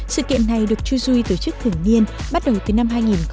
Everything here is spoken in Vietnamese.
sự kiện này được chujuice tổ chức thường niên bắt đầu từ năm hai nghìn một mươi tám